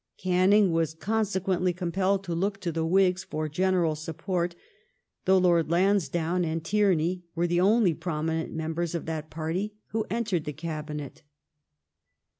Canning was consequently compelled to look to the Whigs for general support, though Lord Lansdowne and Tierney were the only prominent members of that party who entered the Cabinet.